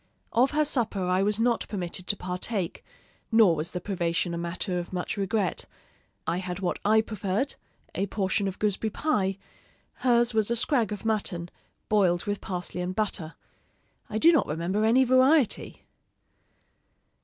Of her supper I was not permitted to partake, nor was the privation a matter of much regret. I had what I preferred a portion of gooseberry pie; hers was a scrag of mutton, boiled with parsley and butter. I do not remember any variety.